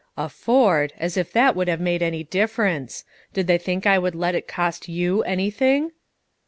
"Afford! as if that would have made any difference. Did they think I would let it cost you anything?"